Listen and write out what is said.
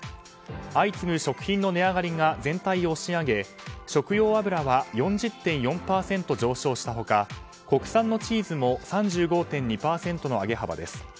相次ぐ食品の値上がりが全体を押し上げ食用油は４０．４％上昇した他国産のチーズも３５．２％の上げ幅です。